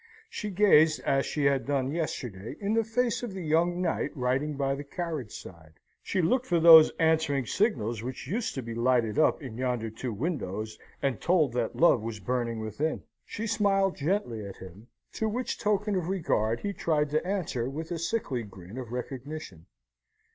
She gazed, as she had done yesterday, in the face of the young knight riding by the carriage side. She looked for those answering signals which used to be lighted up in yonder two windows, and told that love was burning within. She smiled gently at him, to which token of regard he tried to answer with a sickly grin of recognition.